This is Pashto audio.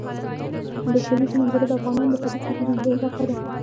د کلیزو منظره د افغانانو د فرهنګي پیژندنې برخه ده.